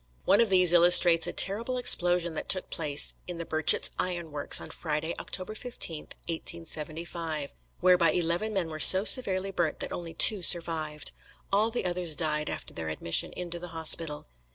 One of these illustrates a terrible explosion that took place in the Birchett's Iron Works, on Friday, October 15, 1875, whereby eleven men were so severely burnt that only two survived. All the others died after their admission into the hospital.